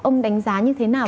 ông đánh giá như thế nào